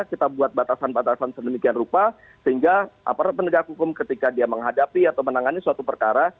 kita buat batasan batasan sedemikian rupa sehingga aparat penegak hukum ketika dia menghadapi atau menangani suatu perkara